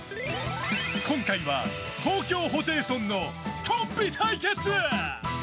今回は東京ホテイソンのコンビ対決。